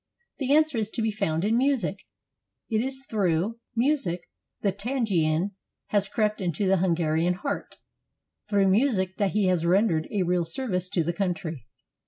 The answer is to be found in music. It is through music the Tzigane has crept into the Hungarian heart, through music that he has rendered a real serv ice to the country.